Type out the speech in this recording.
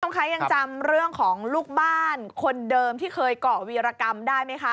คุณผู้ชมคะยังจำเรื่องของลูกบ้านคนเดิมที่เคยเกาะวีรกรรมได้ไหมคะ